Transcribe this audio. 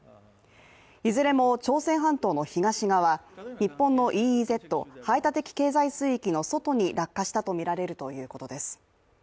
いずれも朝鮮半島の東側日本のＥＥＺ＝排他的経済水域の外に落下したとみられるということです。